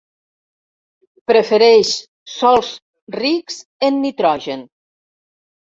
Prefereix sòls rics en nitrogen.